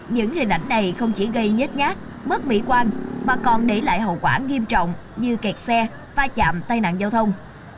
những hình ảnh này không chỉ gây nhết nhát mất mỹ quan mà còn để lại hậu quả nghiêm trọng như kẹt xe pha chạm tai nạn giao thông